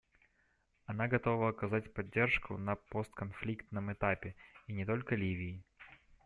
Она готова оказать поддержку на постконфликтном этапе, и не только Ливии.